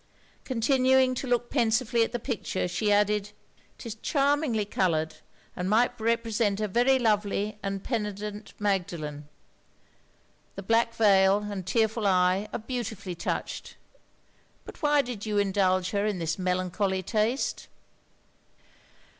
Continuing to look pensively at the picture, she added, 'Tis charmingly coloured; and might represent a very lovely and penitent Magdalen. The black veil, and tearful eye, are beautifully touched. But why did you indulge her in this melancholy taste?'